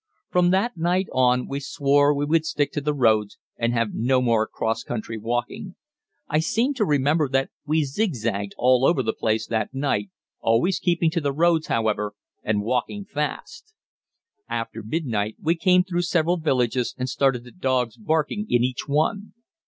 From that night on we swore we would stick to the roads and have no more cross country walking. I seem to remember that we zigzagged all over the place that night, always keeping to the roads, however, and walking fast. After midnight we came through several villages and started the dogs barking in each one.